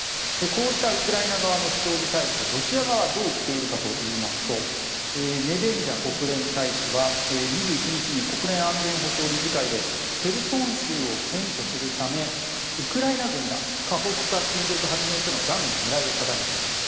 こうしたウクライナ側の主張に対してロシア側はどう言っているかというとネベンジャ国連大使は２１日に国連安全保障理事会でへルソン州を占拠するためウクライナ軍がカホフカ水力発電所のダムに狙いを定めていると。